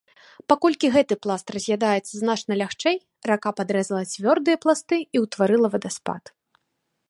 Паколькі гэты пласт раз'ядаецца значна лягчэй, рака падрэзала цвёрдыя пласты і ўтварыла вадаспад.